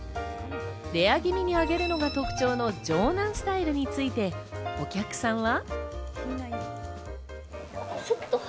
レア気味に揚げるのが特徴の城南スタイルについてお客さんは。